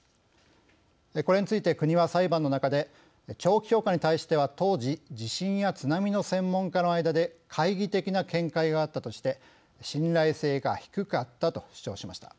これについて国は裁判の中で長期評価に対しては当時地震や津波の専門家の間で懐疑的な見解があったとして信頼性が低かったと主張しました。